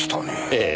ええ。